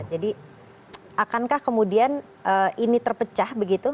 akankah kemudian ini terpecah begitu